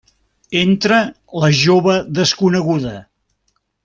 Entra la jove desconeguda.